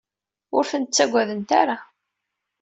Ur ten-ttagadent ara.